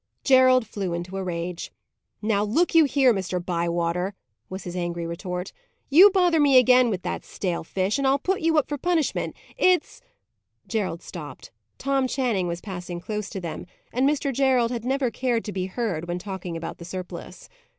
Gerald flew into a rage. "Now look you here, Mr. Bywater," was his angry retort. "You bother me again with that stale fish, and I'll put you up for punishment. It's " Gerald stopped. Tom Channing was passing close to them, and Mr. Gerald had never cared to be heard, when talking about the surplice.